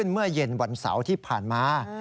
เมื่อเย็นวันเสาร์ที่ผ่านมา